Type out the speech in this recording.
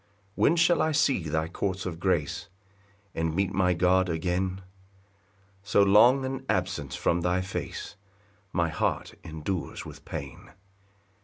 2 When shall I see thy courts of grace, And meet my God again? So long an absence from thy face My heart endures with pain.